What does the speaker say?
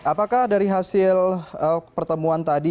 apakah dari hasil pertemuan tadi